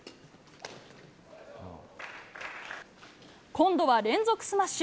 今度は連続スマッシュ。